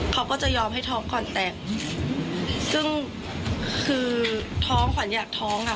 เขาก็จะยอมให้ท้องก่อนแต่งซึ่งคือท้องขวัญอยากท้องอ่ะ